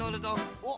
おっ。